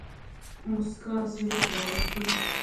موسکا زړه پياوړی کوي